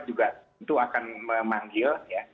juga tentu akan memanggil